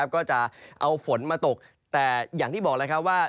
ก็จะเอาฝนมาตกแต่อย่างที่บอกแล้วครับว่า